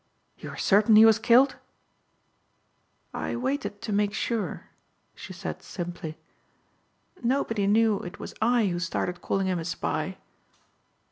"You are certain he was killed?" "I waited to make sure," she said simply. "Nobody knew it was I who started calling him a spy."